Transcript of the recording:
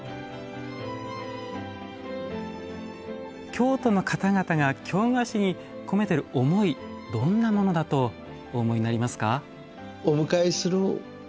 京都の方々が京菓子に込めてる思いどんなものだとお思いになりますか？